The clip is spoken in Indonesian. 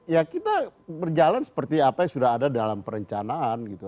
ya kita berjalan seperti apa yang sudah ada dalam perencanaan gitu